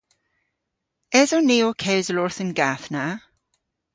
Eson ni ow kewsel orth an gath na?